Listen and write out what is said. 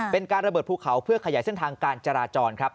เป็นการระเบิดภูเขาเพื่อขยายเส้นทางการจราจรครับ